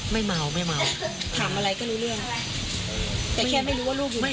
ไม่เมาไม่เมาถามอะไรก็รู้เรื่องแต่แค่ไม่รู้ว่าลูกอยู่ไหน